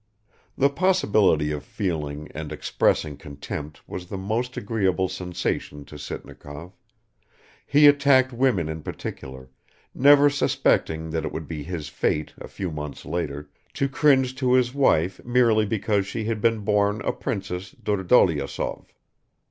(The possibility of feeling and expressing contempt was the most agreeable sensation to Sitnikov; he attacked women in particular, never suspecting that it would be his fate a few months later to cringe to his wife merely because she had been born a princess Durdoleosov.)